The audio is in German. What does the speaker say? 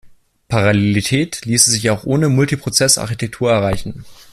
Parallelität ließe sich auch ohne Multiprozess-Architektur erreichen.